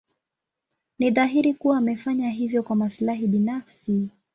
Ni dhahiri kuwa amefanya hivyo kwa maslahi binafsi.